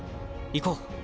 行こう。